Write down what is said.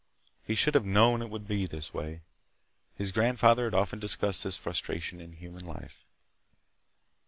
He should have known it would be this way. His grandfather had often discussed this frustration in human life.